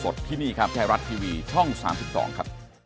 ที่ไทยรัฐทีวีช่อง๓๒ครับ